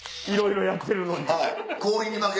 いろいろやってるのに。